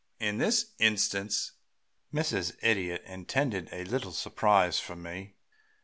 In this instance Mrs. Idiot intended a little surprise for me.